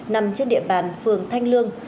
nằm trên địa bàn phường thanh lương